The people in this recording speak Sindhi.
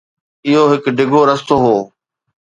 اهو هڪ ڊگهو رستو هو.